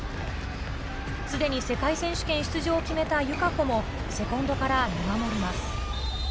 すでに世界選手権出場を決めた友香子もセコンドから見守ります。